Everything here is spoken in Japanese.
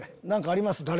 何かあります？